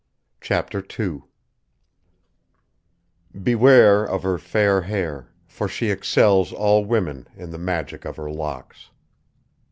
CHAPTER II "Beware of her fair hair, for she excels All women in the magic of her locks."